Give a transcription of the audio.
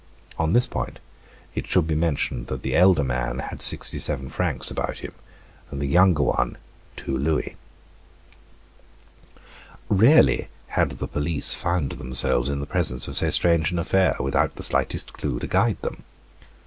On this point, it should be mentioned that the elder man had sixty seven francs about him, and the younger one, two louis. Rarely had the police found themselves in the presence of so strange an affair, without the slightest clue to guide them.